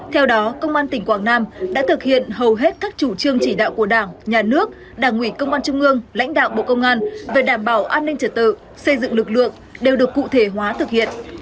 theo đó công an tỉnh quảng nam đã thực hiện hầu hết các chủ trương chỉ đạo của đảng nhà nước đảng ủy công an trung ương lãnh đạo bộ công an về đảm bảo an ninh trật tự xây dựng lực lượng đều được cụ thể hóa thực hiện